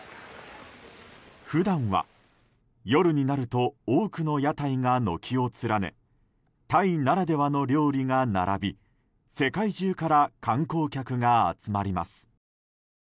普段は、夜になると多くの屋台が軒を連ねタイならではの料理が並び世界中から観光客が集まります。